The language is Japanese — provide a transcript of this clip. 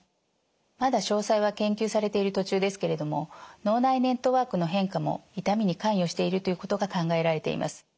まだ詳細は研究されている途中ですけれども脳内ネットワークの変化も痛みに関与しているということが考えられています。